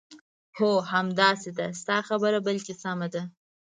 هو، همداسې ده، ستا خبره بالکل سمه ده.